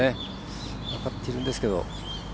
分かっているんですけど。